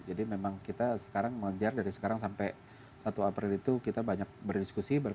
jadi memang kita sekarang mengejar dari sekarang sampai satu april itu kita banyak berdiskusi